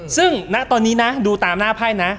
ซึ่งณตอนนี้นะดูตามหน้าไพ่นะ